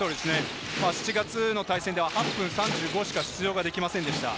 ７月の対戦から８分３５秒しか出場できませんでした。